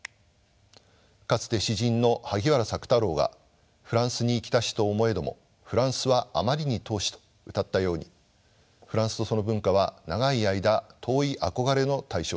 かつて詩人の萩原朔太郎が「ふらんすに行きたしと思へどもふらんすはあまりに遠し」とうたったようにフランスとその文化は長い間遠い憧れの対象でした。